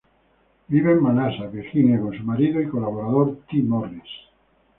Vive en Manassas, Virginia, con su marido y colaborador Tee Morris.